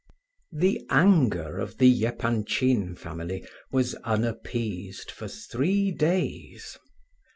The anger of the Epanchin family was unappeased for three days.